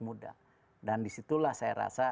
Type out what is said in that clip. muda dan disitulah saya rasa